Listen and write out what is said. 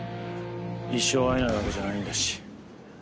一生会えないわけじゃないんだし。